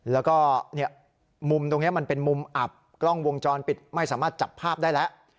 แล้วก็มุมตรงนี้มันเป็นมุมอับกล้องวงจรปิดไม่สามารถจับภาพได้แล้ว